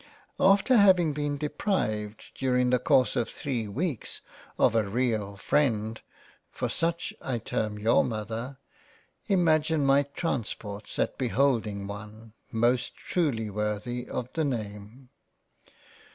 After having been deprived during the course of 3 weeks of a real freind (for such I term your Mother) imagine my transports at beholding one, most truly worthy of the Name.